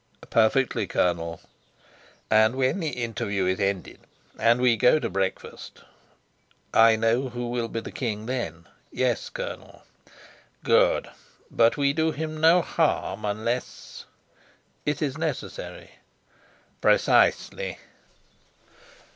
"Perfectly, Colonel." "And when the interview is ended, and we go to breakfast " "I know who will be the king then. Yes, Colonel." "Good. But we do him no harm unless " "It is necessary." "Precisely."